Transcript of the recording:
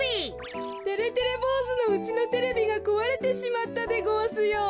てれてれぼうずのうちのテレビがこわれてしまったでごわすよ。